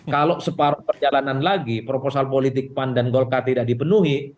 kalau separuh perjalanan lagi proposal politik pan dan golkar tidak dipenuhi